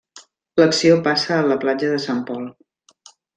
L'acció passa a la platja de Sant Pol.